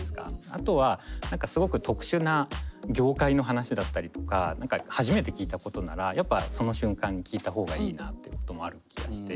あとは何かすごく特殊な業界の話だったりとか何か初めて聞いたことならやっぱその瞬間に聞いた方がいいなってこともある気がして。